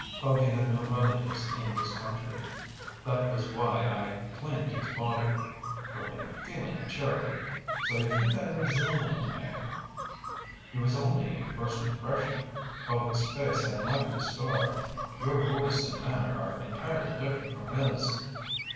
Povy had no relatives in this country. That was why I claimed his body—from a feeling of charity. So you think I resemble him, eh?" "It was only a first impression. Povy's face had an ugly scar. Your voice and manner are entirely different from his."